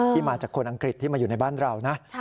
มาจากคนอังกฤษที่มาอยู่ในบ้านเรานะ